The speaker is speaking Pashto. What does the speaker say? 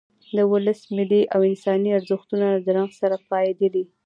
د ولسي، ملي او انساني ارزښتونو له درنښت سره پاېدلی.